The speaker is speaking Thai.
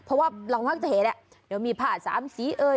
เพราะว่าเรามักจะเห็นเดี๋ยวมีผ้าสามสีเอ่ย